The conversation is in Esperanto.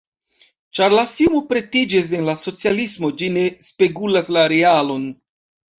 Ĉar la filmo pretiĝis en la socialismo, ĝi ne spegulas la realon.